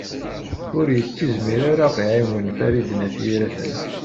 Ur yettizmir ara ad ɣ-iɛiwen Farid n At Yiraten.